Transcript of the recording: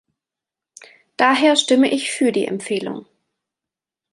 Daher stimme ich für die Empfehlung.